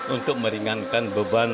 untuk meringankan beban